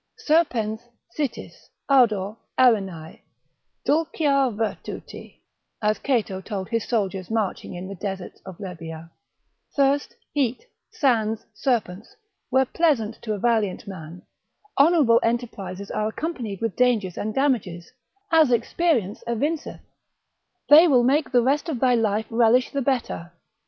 —serpens, sitis, ardor, arenae, Dulcia virtuti, as Cato told his soldiers marching in the deserts of Libya, Thirst, heat, sands, serpents, were pleasant to a valiant man; honourable enterprises are accompanied with dangers and damages, as experience evinceth: they will make the rest of thy life relish the better.